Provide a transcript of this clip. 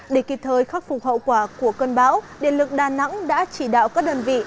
để kịp thời khắc phục hậu quả của cơn bão điện lực đà nẵng đã chỉ đạo các đơn vị